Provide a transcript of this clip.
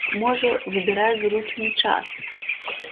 Можа, выбірае зручны час.